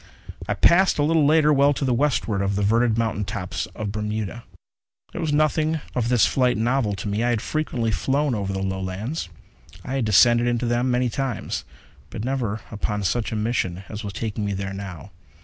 I passed, a little later, well to the westward of the verdured mountain top of the Bermudas. There was nothing of this flight novel to me. I had frequently flown over the Lowlands; I had descended into them many times. But never upon such a mission as was taking me there now.